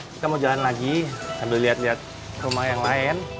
kita mau jalan lagi sambil lihat lihat rumah yang lain